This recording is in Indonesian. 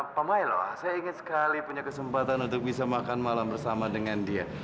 pak mailo saya ingin sekali punya kesempatan untuk bisa makan malam bersama dengan dia